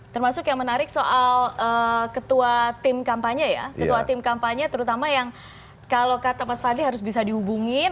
termasuk yang menarik soal ketua tim kampanye ya ketua tim kampanye terutama yang kalau kata mas fadli harus bisa dihubungin